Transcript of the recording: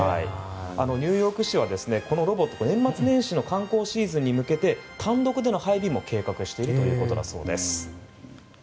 ニューヨーク市は、このロボット年末年始の観光シーズンに向けて単独での配備も計画しているということです。